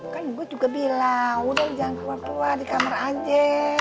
kan ibu juga bilang udah jangan keluar keluar di kamar aja